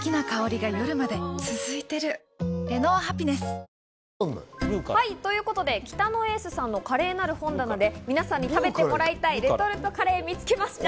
お味はといいますと。ということで北野エースさんのカレーなる本棚で皆さんに食べてもらいたいレトルトカレーを見つけました。